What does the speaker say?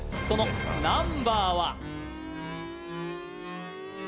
そのナンバーは？